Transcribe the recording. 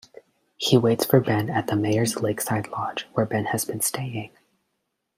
He waits for Ben at the mayor's lakeside lodge, where Ben has been staying.